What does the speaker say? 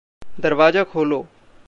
दरवाज़ा खोलो।